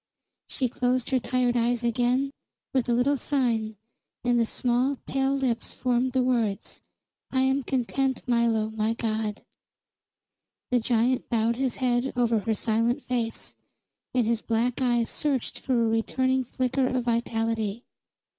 She closed her tired eyes again, with a little sign, and the small, pale lips formed the words: "I am content, Milo, my god." The giant bowed his head over her silent face, and his black eyes searched for a returning flicker of vitality.